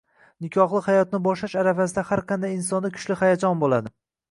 Nikohli hayotni boshlash arafasida har qanday insonda kuchli hayajon bo‘ladi.